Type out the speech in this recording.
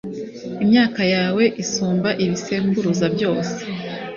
Imyaka yawe isumba ibisekuruza byose